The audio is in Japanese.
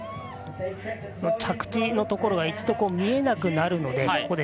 着地のところが一度見えなくなるので。